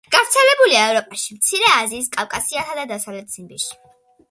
გავრცელებულია ევროპაში, მცირე აზიას, კავკასიასა და დასავლეთ ციმბირში.